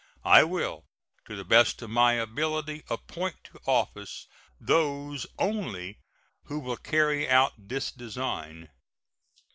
I will to the best of my ability appoint to office those only who will carry out this design.